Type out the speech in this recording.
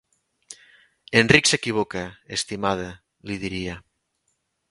"En Rick s'equivoca, estimada", li diria.